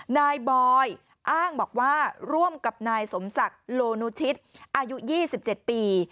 นายบอยอ้างบอกว่าร่วมกับนายสมศักดิ์โลนุชิตอายุ๒๗ปี